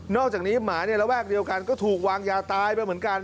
อกจากนี้หมาในระแวกเดียวกันก็ถูกวางยาตายไปเหมือนกัน